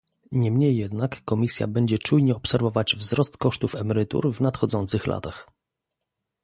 Niemniej jednak Komisja będzie czujnie obserwować wzrost kosztów emerytur w nadchodzących latach